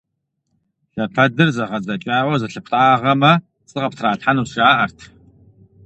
Лъэпэдыр зэгъэдзэкӀауэ зылъыптӀагъэмэ, пцӀы къыптралъхьэнущ, жаӀэрт.